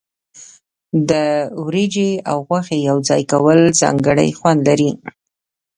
د وریجې او غوښې یوځای کول ځانګړی خوند لري.